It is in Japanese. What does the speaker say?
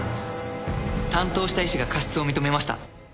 担当した医師が過失を認めました。